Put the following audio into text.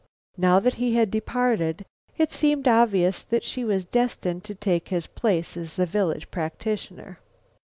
Now that he had departed, it seemed obvious that she was destined to take his place as the village practitioner.